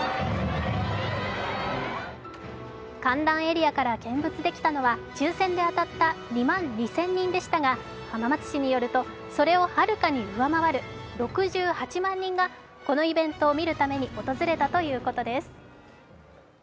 観覧エリアから見物できたのは、抽選で当たった２万２０００人でしたが、浜松市によるとそれをはるかに上回る６８万人がこのイベントを見るために訪れたということです。